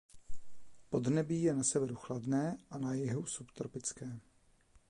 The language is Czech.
Podnebí je na severu chladné a na jihu subtropické.